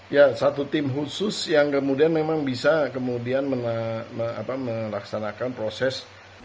ya satu tim khusus yang kemudian memang bisa kemudian melaksanakan proses